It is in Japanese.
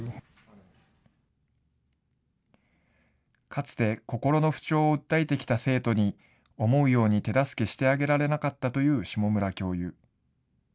かつて、心の不調を訴えてきた生徒に、思うように手助けしてあげられなかったという霜村教諭。